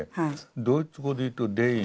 ドイツ語で言うと「デイン」